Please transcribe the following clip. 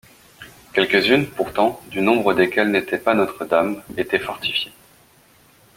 Quelques-unes pourtant, du nombre desquelles n’était pas Notre-Dame, étaient fortifiées.